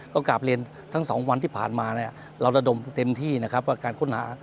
ก็กาบเลนทั้ง๒วันที่ผ่านมาเราระดมเต็มที่การค้นหา